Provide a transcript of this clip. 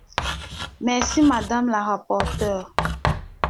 Merci, madame la rapporteure.